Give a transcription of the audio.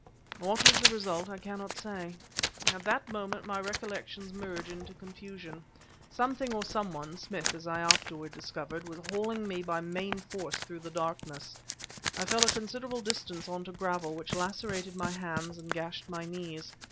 What was the result, I cannot say. At that point my recollections merge into confusion. Something or some one (Smith, as I afterwards discovered) was hauling me by main force through the darkness; I fell a considerable distance onto gravel which lacerated my hands and gashed my knees.